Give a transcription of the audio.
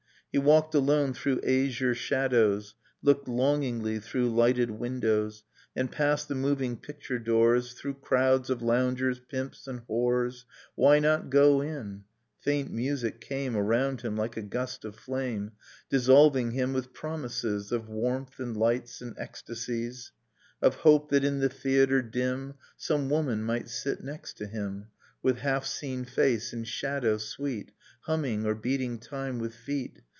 He walked alone through azure shadows. Looked longingly through lighted windows, And passed the moving picture doors Through crowds of loungers, pimps and whores Why not go in? Faint music came Around him like a gust of flame. Dissolving him with promises Of warmth and lights and ecstasies, — [io6] Dust in Starlight Of hope that in the theatre, dim, Some woman might sit next to him. With half seen face, in shadow, sweet, Humming, or beating time with feet.